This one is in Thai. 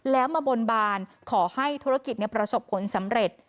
แล้วมาบนบานขอให้ธุรกิจประสบผลสำเร็จ